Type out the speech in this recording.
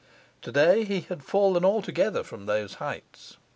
Today he had fallen altogether from these heights.